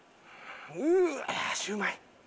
うわあシューマイ！